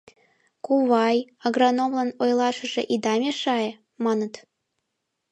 — Кувай, агрономлан ойлашыже ида мешае! — маныт.